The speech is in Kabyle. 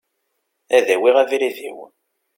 Ad awiɣ abrid-iw.